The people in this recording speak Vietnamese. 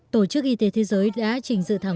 tổ chức y tế thế giới đã trình dự thảo